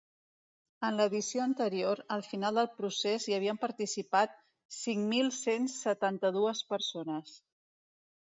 En l’edició anterior, al final del procés hi havien participat cinc mil cent setanta-dues persones.